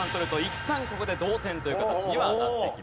いったんここで同点という形にはなってきます。